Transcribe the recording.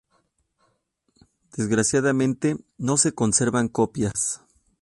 Desgraciadamente no se conservan copias.